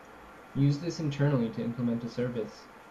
Use this internally to implement a service.